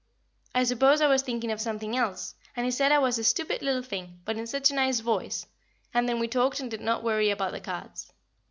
I suppose I was thinking of something else, and he said I was a stupid little thing, but in such a nice voice, and then we talked and did not worry about the cards.